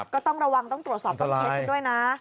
ก็ต้องระวังต้องตรวจสอบต้องเช็คกันด้วยนะ